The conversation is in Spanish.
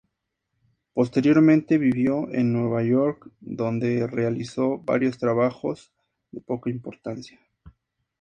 Posteriormente vivió en Nueva York, donde realizó varios trabajos de poca importancia.